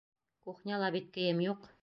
Кухняла бит кейем юҡ!